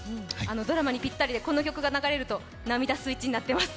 ドラマにぴったりで、この曲が出ると、涙スイッチになってます。